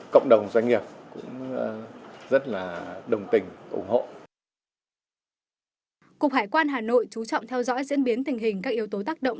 cục hải quan hà nội chú trọng theo dõi diễn biến tình hình các yếu tố tác động